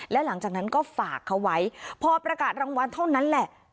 และหลังจากนั้นก็ฝากเขาไว้พอประกาศรางวัลเท่านั้นแหละ